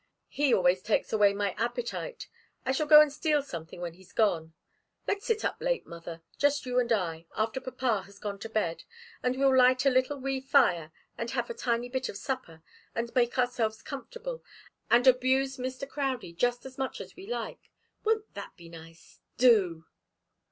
He always takes away my appetite. I shall go and steal something when he's gone. Let's sit up late, mother just you and I after papa has gone to bed, and we'll light a little wee fire, and have a tiny bit of supper, and make ourselves comfortable, and abuse Mr. Crowdie just as much as we like. Won't that be nice? Do!"